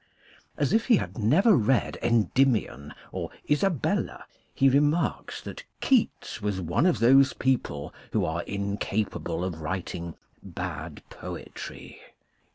As if he had never read " Endymion " or " Isabella," he remarks that Keats was one of those people who are incapable of writing bad poetry.